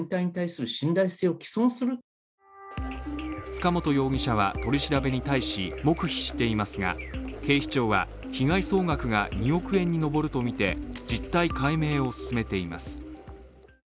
塚本容疑者は取り調べに対し、黙秘していますが、警視庁は、被害総額が２億円に上るとみて実態解明を進めています。